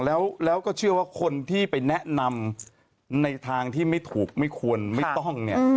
แล้วก็เชื่อว่าคนที่ไปแนะนำในทางที่ไม่ถูกไม่ควรไม่ต้องเนี่ย